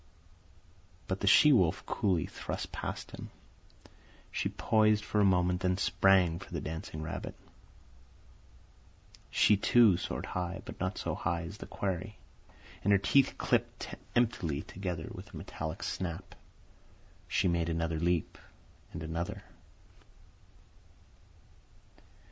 But the she wolf coolly thrust past him. She poised for a moment, then sprang for the dancing rabbit. She, too, soared high, but not so high as the quarry, and her teeth clipped emptily together with a metallic snap. She made another leap, and another.